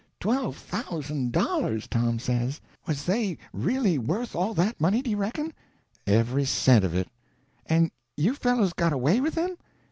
"Twelve thousand dollars!" Tom says. "Was they really worth all that money, do you reckon?" "Every cent of it." "And you fellows got away with them?"